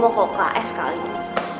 nanti juga gue mau ke uks kali